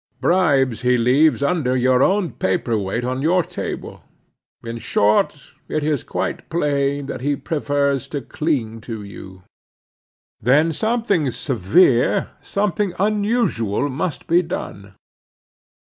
Bribes he leaves under your own paperweight on your table; in short, it is quite plain that he prefers to cling to you. Then something severe, something unusual must be done.